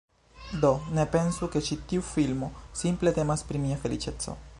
Do, ne pensu ke ĉi tiu filmo simple temas pri mia feliĉeco